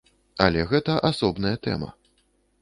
Але гэта асобная тэма.